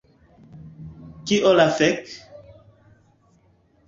Kio la fek'?